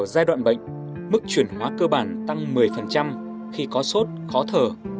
giai đoạn bệnh mức chuyển hóa cơ bản tăng một mươi khi có sốt khó thở